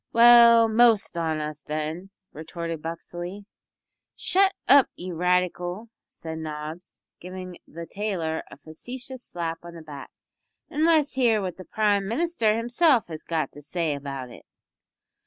"Well, the most on us, then," retorted Buxley. "Shut up, you radical!" said Nobbs, giving the tailor a facetious slap on the back, "an' let's hear what the Prime Minister himself has got to say about it."